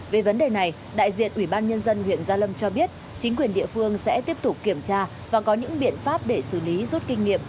về vấn đề này đại diện ủy ban nhân dân huyện gia lâm cho biết chính quyền địa phương sẽ tiếp tục kiểm tra và có những biện pháp để xử lý rút kinh nghiệm